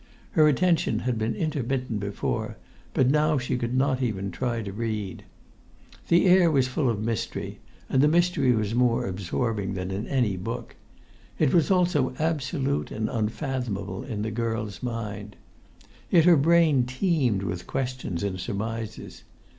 Her attention had been intermittent before, but now she[Pg 87] could not even try to read. The air was full of mystery, and the mystery was more absorbing than that in any book. It was also absolute and unfathomable in the girl's mind. Yet her brain teemed with questions and surmises.